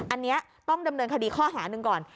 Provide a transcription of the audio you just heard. อันนี้ต้องดำเนินคดีข้อหาหนึ่งก่อน